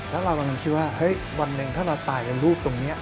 แล้วเรากำลังคิดว่าเฮ้ยวันหนึ่งถ้าเราตายในรูปตรงนี้